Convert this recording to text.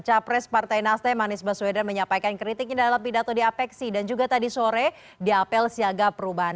capres partai nasdem anies baswedan menyampaikan kritiknya dalam pidato di apeksi dan juga tadi sore di apel siaga perubahan